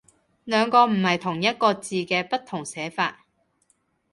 兩個唔係同一個字嘅不同寫法